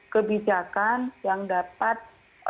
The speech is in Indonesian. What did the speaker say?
kebijakan yang dapat